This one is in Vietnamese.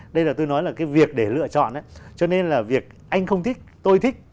đây là tôi nói là cái việc để lựa chọn cho nên là việc anh không thích tôi thích